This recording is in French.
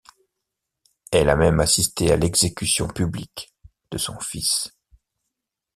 Elle a même assisté à l'exécution publique de son fils.